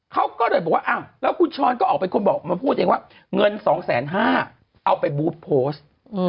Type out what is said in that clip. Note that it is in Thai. เค้าก็โดยบอกว่าอ่ะแล้วคุณช้อนก็ออกไปคุณบอกมาพูดเองว่าเงิน๒๕๐๐๐๐เอาไปบู๊บโพสต์